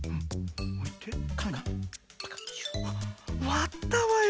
わったわよ